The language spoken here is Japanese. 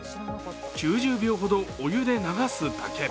９０秒ほどお湯で流すだけ。